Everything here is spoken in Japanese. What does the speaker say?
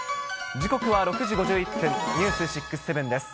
時刻は６時５１分、ニュース６ー７です。